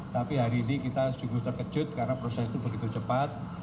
tapi hari ini kita sungguh terkejut karena proses itu begitu cepat